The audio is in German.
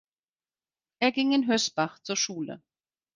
Er ging in Hösbach zur Schule.